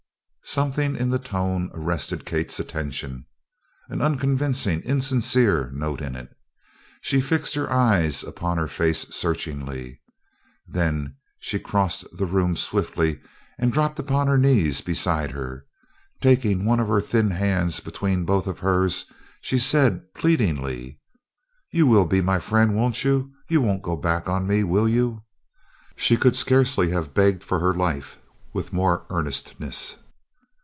Something in the tone arrested Kate's attention, an unconvincing, insincere note in it. She fixed her eyes upon her face searchingly, then she crossed the room swiftly and dropped upon her knees beside her. Taking one of her thin hands between both of hers she said, pleadingly: "You will be my friend, won't you? You won't go back on me, will you?" She could scarcely have begged for her life with more earnestness.